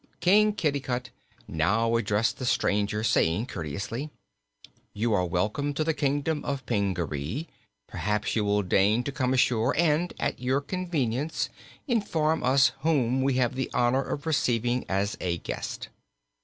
King Kitticut now addressed the stranger, saying courteously: "You are welcome to the Kingdom of Pingaree. Perhaps you will deign to come ashore and at your convenience inform us whom we have the honor of receiving as a guest."